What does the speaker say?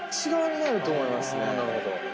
なるほど。